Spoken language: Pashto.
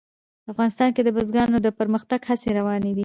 افغانستان کې د بزګانو د پرمختګ هڅې روانې دي.